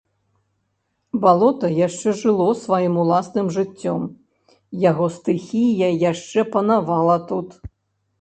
Балота яшчэ жыло сваім уласным жыццём, яго стыхія яшчэ панавала тут.